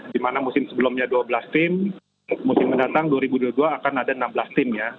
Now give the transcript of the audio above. dimana musim sebelumnya dua belas tim musim mendatang dua ribu dua puluh dua akan ada enam belas tim ya